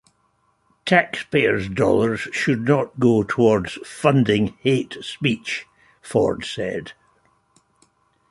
"Taxpayers dollars should not go toward funding hate speech," Ford said.